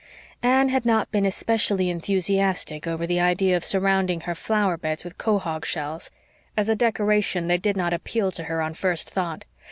Anne had not been especially enthusiastic over the idea of surrounding her flower beds with quahog shells; as a decoration they did not appeal to her on first thought.